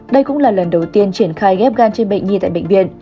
đây cũng là lần đầu tiên triển khai ghép gan trên bệnh nhi tại bệnh viện